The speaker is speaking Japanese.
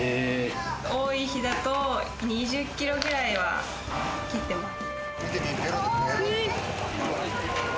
多い日だと２０キロくらいは切ってます。